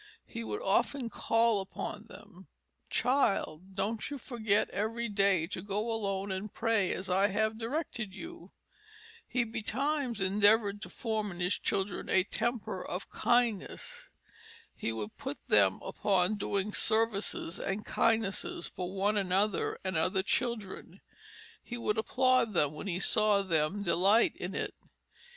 He would often call upon them, 'Child, don't you forget every day to go alone and pray as I have directed you.' He betimes endeavoured to form in his children a temper of kindness. He would put them upon doing services and kindnesses for one another and other children. He would applaud them when he saw them delight in it.